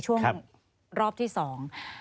โห้เจ้ากล้อง